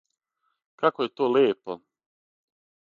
Како је то лепо!